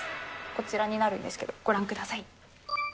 こちらになるんですけど、ご覧ください。